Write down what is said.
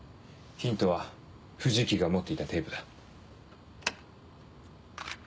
ヒントは藤木が持っていたテープだ。